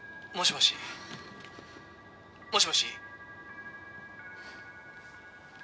「もしもし？」